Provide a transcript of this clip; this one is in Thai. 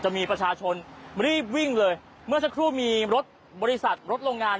มีประชาชนรีบวิ่งเลยเมื่อสักครู่มีรถบริษัทรถโรงงาน